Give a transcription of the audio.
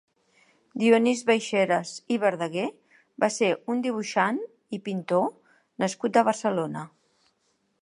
Dionís Baixeras i Verdaguer va ser un dibuixant i pintor nascut a Barcelona.